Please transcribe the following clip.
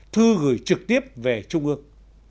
thư gửi trực tiếp về trung ương